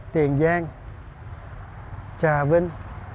tiền giang trà vinh